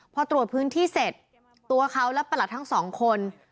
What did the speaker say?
พอตรวจพื้นที่เสร็จตัวเขาและประหลัดทั้งสองคน